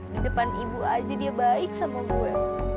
di depan ibu aja dia baik sama gue